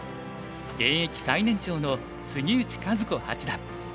現役最年長の杉内寿子八段。